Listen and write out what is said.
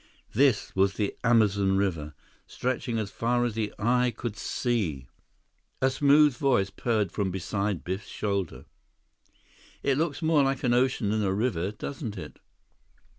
This was the Amazon River, stretching as far as the eye could see. A smooth voice purred from beside Biff's shoulder: "It looks more like an ocean than a river, doesn't it?"